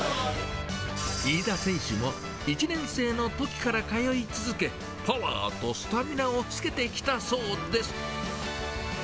飯田選手も１年生のときから通い続け、パワーとスタミナをつけてきたそうです。